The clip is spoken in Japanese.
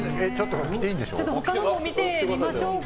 他のも見てみましょうか。